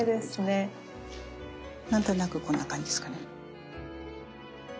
何となくこんな感じですかね。